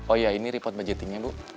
oh iya ini report budgetingnya ibu